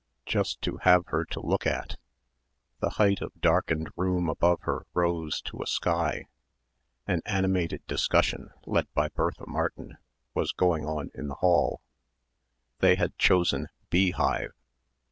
Just to have her to look at. The height of darkened room above her rose to a sky. An animated discussion, led by Bertha Martin, was going on in the hall. They had chosen "beehive."